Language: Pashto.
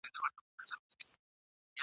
چي تر سترګو یې توییږي لپي ویني ,